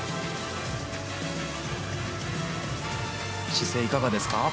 姿勢、いかがですか。